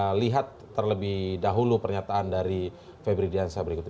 kita akan lihat terlebih dahulu pernyataan dari febri diansa berikutnya